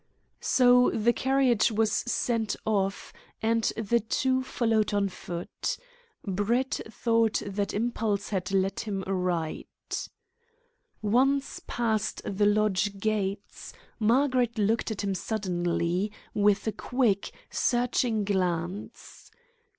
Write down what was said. So the carriage was sent off, and the two followed on foot. Brett thought that impulse had led him aright. Once past the lodge gates, Margaret looked at him suddenly, with a quick, searching glance.